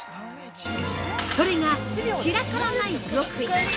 それが、散らからない極意！